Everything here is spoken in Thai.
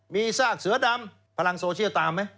มีซากเสือดำพลังโซเชียลตามไหม